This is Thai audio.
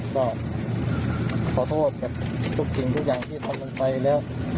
ก็ขอโทษกับทุกสิ่งทุกอย่างที่ทำลงไปแล้ว